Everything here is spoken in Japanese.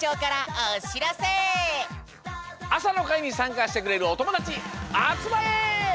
あさのかいにさんかしてくれるおともだちあつまれ！